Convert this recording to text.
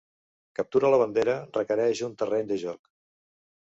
Captura la bandera requereix un terreny de joc.